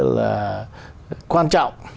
là quan trọng